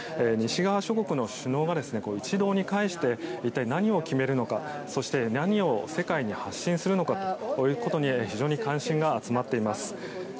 西側諸国の首脳が一堂に会して一体、何を決めるのかそして、何を世界に発信するのかということに非常に関心が集まっています。